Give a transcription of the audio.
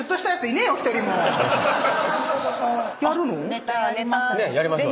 ネタやりますね。